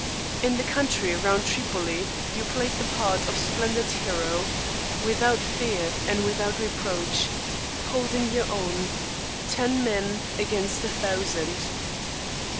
In the country round Tripoli you played the part of splendid hero, without fear and without reproach, holding your own, ten men against a thousand.